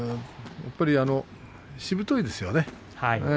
やはりしぶといですよね。